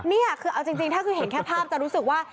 นี่คือเอาจริงถ้าคือเห็นแค่ภาพจะรู้สึกว่า